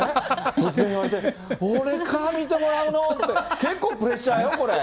突然言われて、俺か、見てもらうのって、結構プレッシャーよ、これ。